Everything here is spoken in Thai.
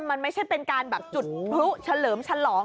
มันไม่ใช่เป็นการแบบจุดพลุเฉลิมฉลอง